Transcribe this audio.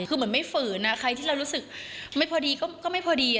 คือเหมือนไม่ฝืนใครที่เรารู้สึกไม่พอดีก็ไม่พอดี